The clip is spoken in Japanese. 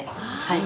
はい。